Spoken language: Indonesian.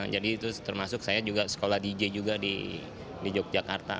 jadi itu termasuk saya juga sekolah dj juga di yogyakarta